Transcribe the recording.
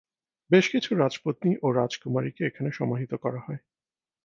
বেশ কিছু রাজপত্নী ও রাজকুমারীকে এখানে সমাহিত করা হয়।